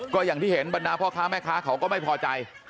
ก็อย่างที่เห็นบรรดาพ่อค้าแม่ค้าเขาก็ไม่พอใจ